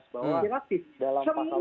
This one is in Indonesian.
semua komponen semua elemen publik